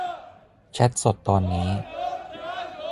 แชตสดตอนนี้